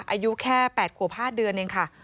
อายุแค่๘ขวบ๕เดือนเองค่ะ